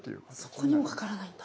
そこにもかからないんだ。